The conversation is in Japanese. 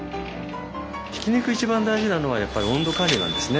ひき肉一番大事なのはやっぱり温度管理なんですね。